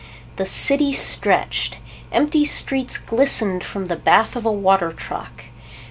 The city stretched. Empty streets glistened from the bath of a water truck.